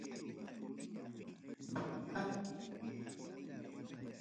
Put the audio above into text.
Ica llaqtaqa Perú suyupim tarikun.